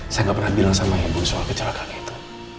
saya nggak pernah bilang sama ibu soal kecelakaan itu